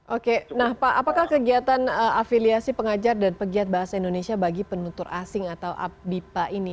oke nah pak apakah kegiatan afiliasi pengajar dan pegiat bahasa indonesia bagi penutur asing atau bipa ini